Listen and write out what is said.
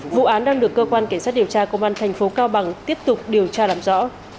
vụ án đang được cơ quan cảnh sát điều tra công an thành phố cao bằng tiếp tục điều tra làm rõ